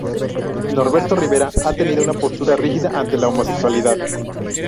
Norberto Rivera ha tenido una postura rígida ante la homosexualidad.